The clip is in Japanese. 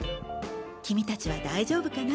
君達は大丈夫かな？